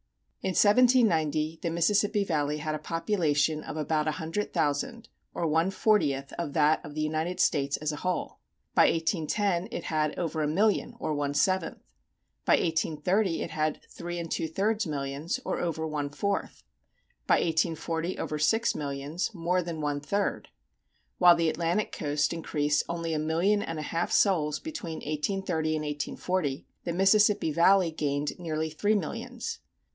In 1790 the Mississippi Valley had a population of about a hundred thousand, or one fortieth of that of the United States as a whole; by 1810 it had over a million, or one seventh; by 1830 it had three and two thirds millions, or over one fourth; by 1840 over six millions, more than one third. While the Atlantic coast increased only a million and a half souls between 1830 and 1840, the Mississippi Valley gained nearly three millions.